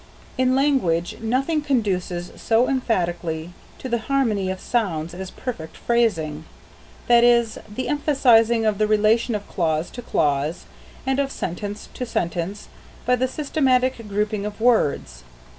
In language, nothing conduces so emphatically to the harmony of sounds as perfect phrasing that is, the emphasizing of the relation of clause to clause, and of sentence to sentence by the systematic grouping of words.